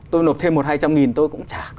tôi nộp thêm một hai trăm linh nghìn tôi cũng chả